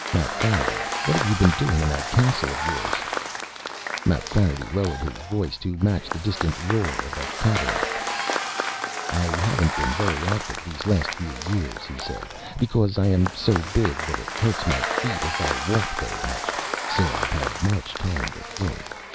"Mapfarity, what have you been doing in that castle of yours?" Mapfarity lowered his voice to match the distant roar of a cataract. "I haven't been very active these last few years," he said, "because I am so big that it hurts my feet if I walk very much. So I've had much time to think.